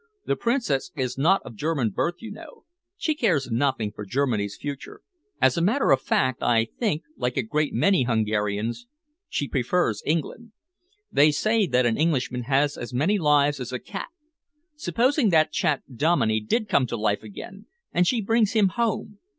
The Princess is not of German birth, you know. She cares nothing for Germany's future. As a matter of fact, I think, like a great many Hungarians, she prefers England. They say that an Englishman has as many lives as a cat. Supposing that chap Dominey did come to life again and she brings him home?